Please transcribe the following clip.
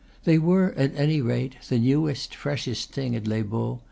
They were, at any rate, the newest, freshest thing at Les Baux.